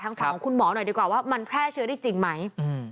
ฝั่งของคุณหมอหน่อยดีกว่าว่ามันแพร่เชื้อได้จริงไหม